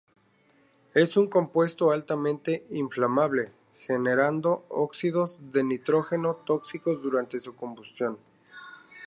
Es un compuesto altamente inflamable, generando óxidos de nitrógeno tóxicos durante su combustión.